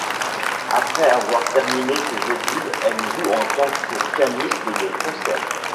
Après avoir terminé ses études elle joue en tant que pianiste de concert.